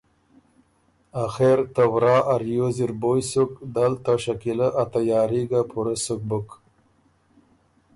آخر ته ورا ا ریوز اِر بویٛ سُک، دل ته شکیلۀ ا تیاري ګه پُورۀ سُک بُک